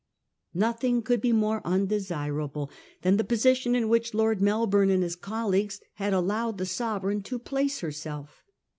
Nothing could be more undesirable than the posi tion in which Lord Melbourne and his colleagues had allowed the Sovereign to place herself.